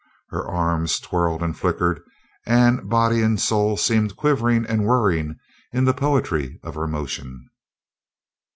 Her arms twirled and flickered, and body and soul seemed quivering and whirring in the poetry of her motion.